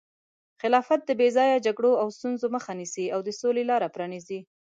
خلافت د بې ځایه جګړو او ستونزو مخه نیسي او د سولې لاره پرانیزي.